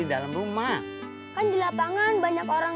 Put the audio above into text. sampai jumpa di video selanjutnya bang